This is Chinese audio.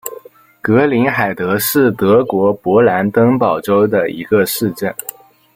格林海德是德国勃兰登堡州的一个市镇。